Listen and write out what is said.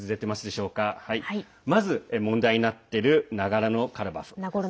まず問題になっているナゴルノカラバフ。